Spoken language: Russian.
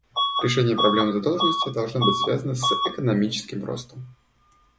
Решение проблемы задолженности должно быть связано с экономическим ростом.